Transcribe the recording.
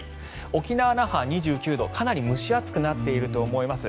沖縄・那覇、２９度かなり蒸し暑くなっていると思います。